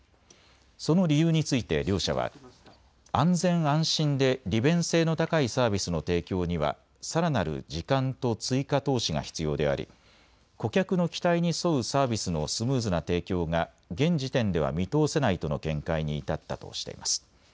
その理由について両社は安全・安心で利便性の高いサービスの提供にはさらなる時間と追加投資が必要であり顧客の期待に沿うサービスのスムーズな提供が現時点では見通せないとの見解に至ったとしています。